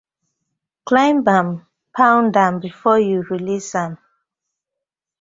Climb am, pound am befor yu release am.